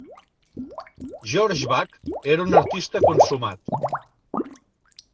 George Back era un artista consumat.